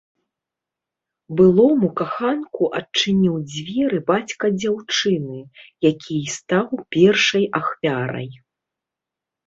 Былому каханку адчыніў дзверы бацька дзяўчыны, які і стаў першай ахвярай.